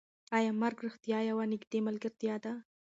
ایا مرګ رښتیا یوه نږدې ملګرتیا ده؟